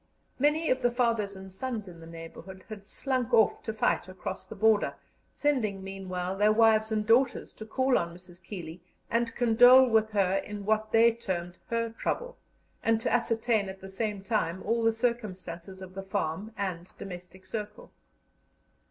Many of the fathers and sons in the neighbourhood had slunk off to fight across the border, sending meanwhile their wives and daughters to call on Mrs. Keeley and condole with her in what they termed "her trouble," and to ascertain at the same time all the circumstances of the farm and domestic circle.